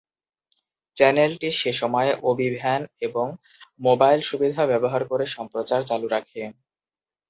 চ্যানেলটি সেসময় OB van এবং মোবাইল সুবিধা ব্যবহার করে সম্প্রচার চালু রাখে।